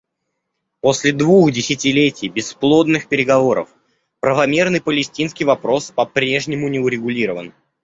После двух десятилетий бесплодных переговоров, правомерный палестинский вопрос по-прежнему не урегулирован.